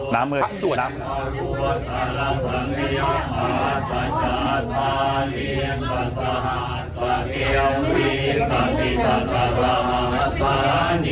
น้ำเมือง